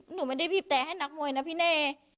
หนูไม่ได้บีบแต่ให้นักมวยนะพี่เน่